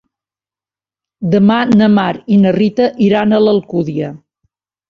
Demà na Mar i na Rita iran a l'Alcúdia.